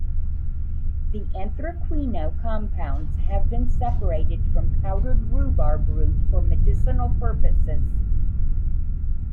The anthraquinone compounds have been separated from powdered rhubarb root for medicinal purposes.